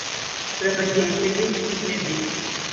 Трэба дзень сядзець і глядзець.